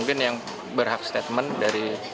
mungkin yang berhak statement dari